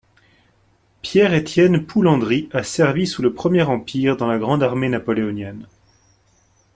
Pierre-Étienne Poux-Landry a servi sous le Premier Empire dans la Grande Armée napoléonienne.